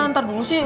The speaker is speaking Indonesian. ntar dulu sih